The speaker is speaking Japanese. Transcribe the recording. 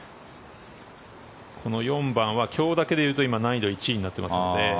この４番は今日だけでいうと難易度１になってますので。